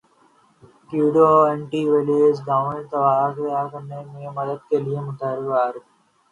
Covid antiviral دوائی تیار کرنے میں مدد کے لئے متحدہ عرب